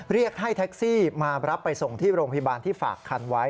เรียกให้แท็กซี่มารับไปส่งที่โรงพยาบาลที่ฝากคันไว้